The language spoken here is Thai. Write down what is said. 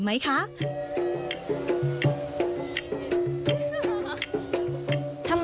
แม่จิลค่ะเกือบร้อยเพลงเลยแต่ว่า